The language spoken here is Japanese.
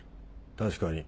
確かに。